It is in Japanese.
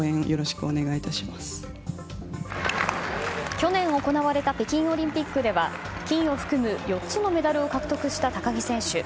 去年、行われた北京オリンピックでは金を含む４つのメダルを獲得した高木選手。